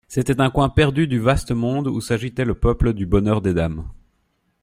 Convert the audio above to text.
C'était un coin perdu du vaste monde où s'agitait le peuple du Bonheur des Dames.